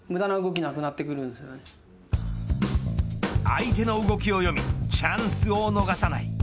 相手の動きを読みチャンスを逃さない。